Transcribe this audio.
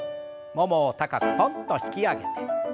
ももを高くポンと引き上げて。